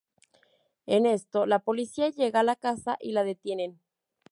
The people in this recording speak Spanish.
En esto, la policía llega a la casa y la detienen.